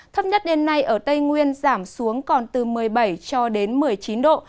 thấp nhất đêm nay ở tây nguyên giảm xuống còn từ một mươi bảy cho đến một mươi chín độ